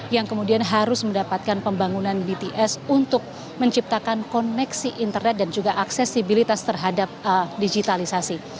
yang kemudian harus mendapatkan pembangunan bts untuk menciptakan koneksi internet dan juga aksesibilitas terhadap digitalisasi